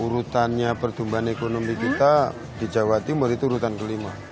urutannya pertumbuhan ekonomi kita di jawa timur itu urutan kelima